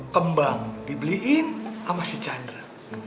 kembang dibeliin sama si chandra